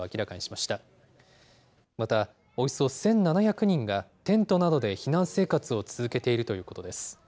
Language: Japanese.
また、およそ１７００人がテントなどで避難生活を続けているということです。